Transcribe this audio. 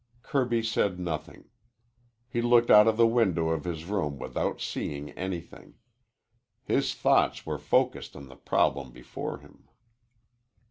Kirby said nothing. He looked out of the window of his room without seeing anything. His thoughts were focused on the problem before him.